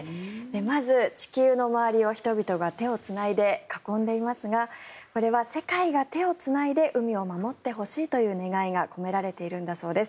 まず地球の周りを人々が手をつないで囲んでいますがこれは世界が手をつないで海を守ってほしいという願いが込められているんだそうです。